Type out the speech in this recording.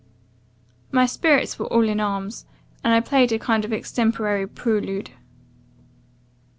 "My spirits were all in arms, and I played a kind of extemporary prelude.